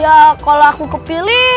ya kalau aku kepilih